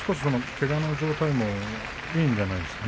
けがの状態もいいんじゃないでしょうか。